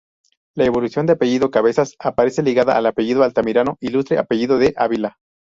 La evolución del apellido Cabezas aparece ligada al apellido Altamirano, ilustre apellido de Ávila.